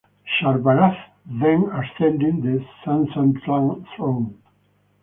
Shahrbaraz then ascended the Sasanian throne.